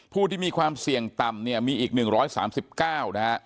ผู้ที่มีความเสี่ยงต่ำเนี่ยมีอีก๑๓๙นะฮะ